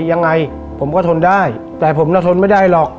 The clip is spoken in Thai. ยังไงผมก็ทนได้แต่ผมน่ะทนไม่ได้หรอก